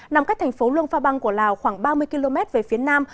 nằm cách thành phố luông pha băng của lào khoảng ba mươi km về phía nam